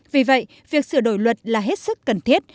vì vậy việc sửa đổi luật là hết sức cần thiết